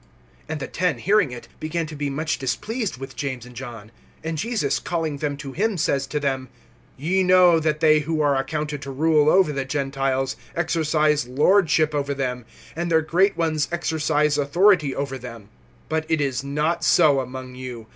(41)And the ten, hearing it, began to be much displeased with James and John. (42)And Jesus, calling them to him, says to them: Ye know that they who are accounted to rule[10:42] over the Gentiles exercise lordship over them; and their great ones exercise authority over them. (43)But it is not so among you.